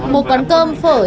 một quán cơm phở trên đường